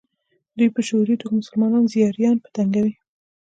دوی په شعوري توګه مسلمان زایرین په تنګوي.